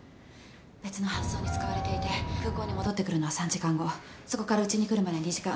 別の搬送に使われていて空港に戻ってくるのは３時間後そこからうちに来るまで２時間。